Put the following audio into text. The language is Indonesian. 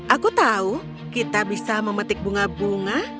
aku tahu kita bisa memetik bunga bunga